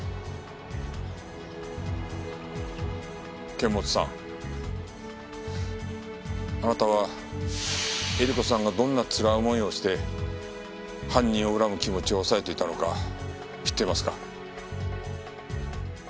堅物さんあなたは英理子さんがどんなつらい思いをして犯人を恨む気持ちを抑えていたのか知っていますか？